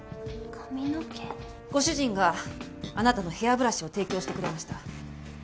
ご主人があなたのヘアブラシを提供してくれました。